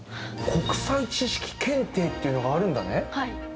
国際知識検定っていうのがあるんだね。